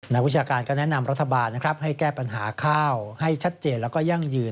หนักวิชาการก็แนะนำรัฐบาลให้แก้ปัญหาข้าวให้ชัดเจนและยั่งยืน